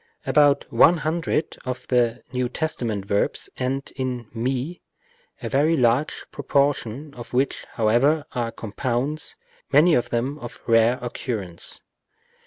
About one hundred of the N. T. verbs end in ju, a very large proportion of which, however, are compounds, many of them of rare occurrence.